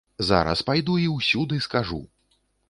Зараз пайду і ўсюды скажу.